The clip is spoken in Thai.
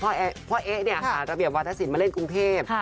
อย่างเช่นพ่อเอ๊ะระเบียบวัฒนศิลป์มาเล่นกรุงเทพ